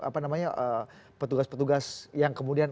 petugas petugas yang kemudian